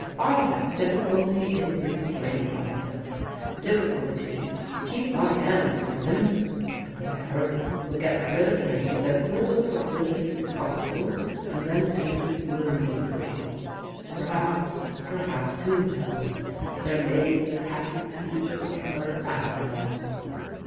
I had difficulty in restraining myself, difficulty to keep my hands from him! But there, we'll get rid of him with as little publicity as possible, and then Peggy will be free. Perhaps — ^perhaps, who knows, there may be a happy future for her after all."